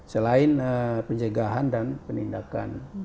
selain penjagaan dan penindakan